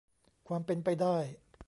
ความเป็นไปได้